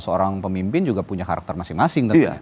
seorang pemimpin juga punya karakter masing masing tentunya